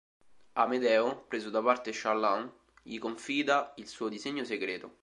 Amedeo, preso da parte Challant, gli confida il suo disegno segreto.